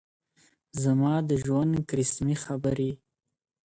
زما د ژوند د كرسمې خبري.